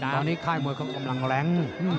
ตอนนี้ค่ายมวยเขากำลังแรง